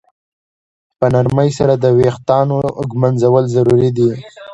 په نرمۍ سره د ویښتانو ږمنځول ضروري دي.